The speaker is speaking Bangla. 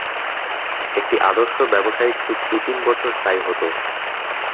একটি আদর্শ ব্যবসায়িক চুক্তি তিন বছর স্থায়ী হতো।